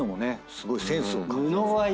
すごいセンスを感じますよね。